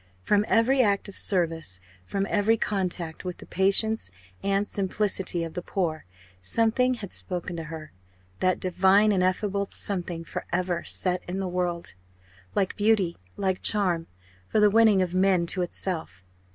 From every act of service from every contact with the patience and simplicity of the poor something had spoken to her, that divine ineffable something for ever "set in the world," like beauty, like charm, for the winning of men to itself.